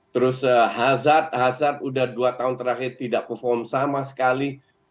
terus hazard hazard sudah dua tahun terakhir tidak perform sama sekali